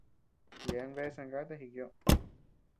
Yeabean bea zangáta jikioʼö.